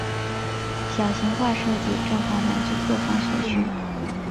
小型化设计正好满足各方所需。